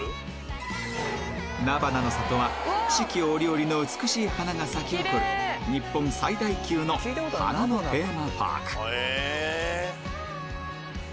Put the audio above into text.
なばなの里は四季折々の美しい花が咲き誇る日本最大級の花のテーマパーク